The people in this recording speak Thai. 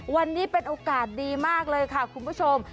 วันนี้เป็นโอกาสดีมากเลยค่ะคุณผู้ชม